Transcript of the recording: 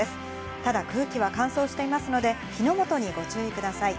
ただ空気は乾燥していますので、火の元にご注意ください。